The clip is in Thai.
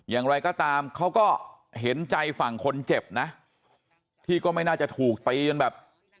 อย่างไรก็ตามเขาก็เห็นใจฝั่งคนเจ็บนะที่ก็ไม่น่าจะถูกตีจนแบบ